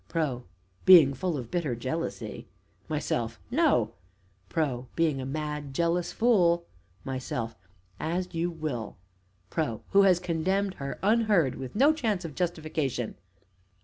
PRO. Being full of bitter jealousy. MYSELF. No! PRO. Being a mad, jealous fool MYSELF. As you will. PRO. who has condemned her unheard with no chance of justification.